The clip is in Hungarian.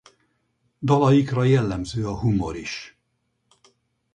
Dalaikra jellemző a humor is.